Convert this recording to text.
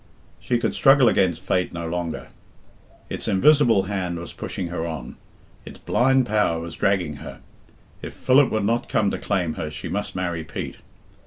She could struggle against fate no longer. It's invisible hand was pushing her on. It's blind power was dragging her. If Philip would not come to claim her she must marry Pete.